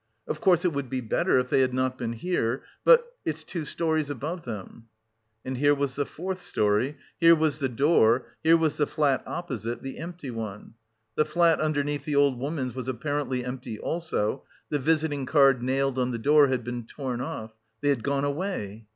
"Of course it would be better if they had not been here, but... it's two storeys above them." And there was the fourth storey, here was the door, here was the flat opposite, the empty one. The flat underneath the old woman's was apparently empty also; the visiting card nailed on the door had been torn off they had gone away!...